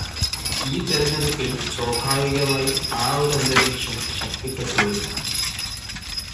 ഈ തിരഞ്ഞെടുപ്പിൽ സ്വാഭാവികമായും ആ ഒരു അന്തരീക്ഷം ശക്തിപ്പെട്ടുവരും.